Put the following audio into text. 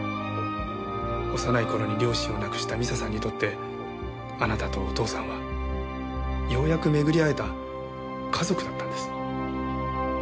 幼い頃に両親を亡くした未紗さんにとってあなたとお父さんはようやく巡り合えた家族だったんです。